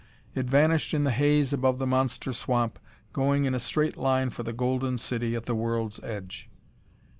It vanished in the haze above the monster swamp, going in a straight line for the golden city at the world's edge.